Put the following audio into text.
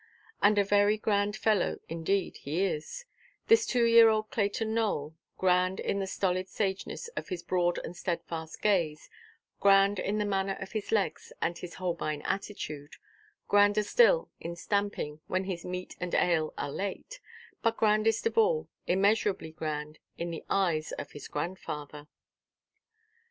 And a very grand fellow indeed he is, this two–year–old Clayton Nowell—grand in the stolid sageness of his broad and steadfast gaze, grand in the manner of his legs and his Holbein attitude, grander still in stamping when his meat and ale are late, but grandest of all, immeasurably grand, in the eyes of his grandfather.